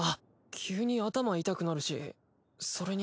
急に頭痛くなるしそれに。